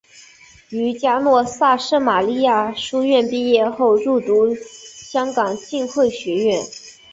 于嘉诺撒圣玛利书院毕业后入读香港浸会学院。